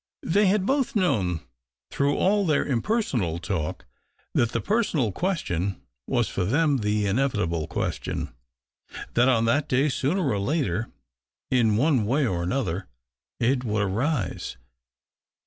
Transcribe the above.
They had both known through all their im lersonal talk that the personal question was 3r them the inevitable question — that on that ay, sooner or later, in one way or another, it ,^ould arise.